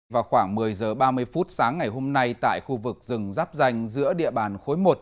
vào khoảng một mươi h ba mươi phút sáng ngày hôm nay tại khu vực rừng giáp danh giữa địa bàn khối một